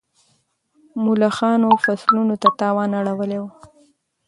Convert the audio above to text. ملخانو فصلونو ته تاوان اړولی و.